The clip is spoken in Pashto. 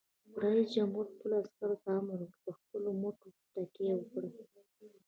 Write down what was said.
رئیس جمهور خپلو عسکرو ته امر وکړ؛ په خپلو مټو تکیه وکړئ!